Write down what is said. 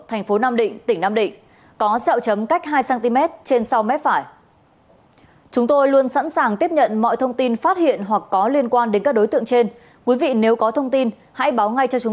thành phố nam định tỉnh nam định có xeo chấm cách hai cm